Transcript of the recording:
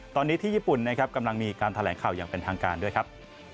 ตอนนี้ที่ญี่ปุ่นนะครับกำลังมีการแถลงข่าวอย่างเป็นทางการด้วยครับ